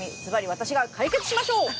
私が解決しましょう！